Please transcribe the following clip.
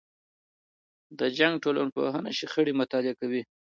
د جنګ ټولنپوهنه شخړې مطالعه کوي.